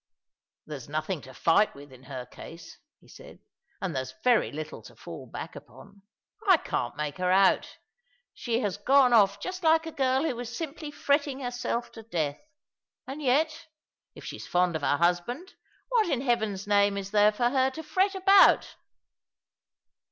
*' There's nothing to fight with in her case," he said, "and there's very little to fall back upon. I can't make her out. She has gone off just like a girl who was simply fretting herself to death; and yet, if she's fond of her husband, what in Heaven's name is there for her to fret about